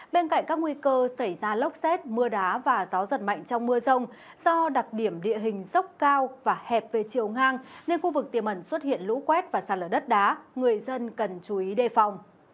bên cạnh các nguy cơ xảy ra lốc xét mưa đá và gió giật mạnh trong mưa rông do đặc điểm địa hình dốc cao và hẹp về chiều ngang nên khu vực tiềm ẩn xuất hiện lũ quét và sạt lở đất đá người dân cần chú ý đề phòng